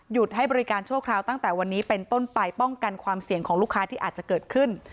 ให้บริการชั่วคราวตั้งแต่วันนี้เป็นต้นไปป้องกันความเสี่ยงของลูกค้าที่อาจจะเกิดขึ้น